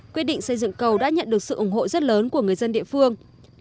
quyết định xây dựng cầu đã nhận được sự ủng hộ rất lớn của người dân địa phương